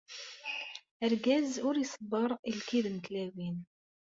Argaz ur iṣebber i lkid n tlawin.